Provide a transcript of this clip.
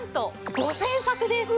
５０００ですか！？